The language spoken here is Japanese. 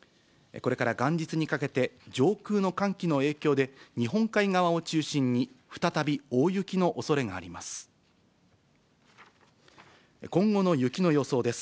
これから元日にかけて、上空の寒気の影響で、日本海側を中心に、再び大雪のおそれがあります。